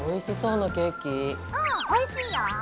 うんおいしいよ！